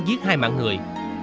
giết hai mạng người